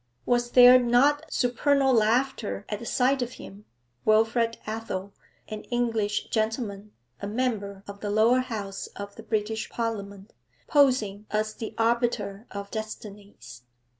Was there not supernal laughter at the sight of him, Wilfrid Athel, an English gentleman, a member of the Lower House of the British Parliament, posing as the arbiter of destinies?